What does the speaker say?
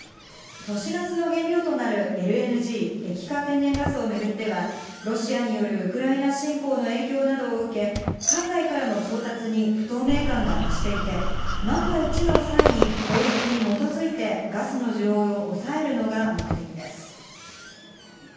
都市ガスの原料となるＬＮＧ・液化天然ガスを巡っては、ロシアによるウクライナ侵攻の影響などを受け、海外からの調達に不透明感が増していて、万が一の際に法律に基づいて、ガスの需要を抑えるのが目的です。